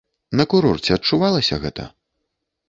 На курорце адчувалася гэта?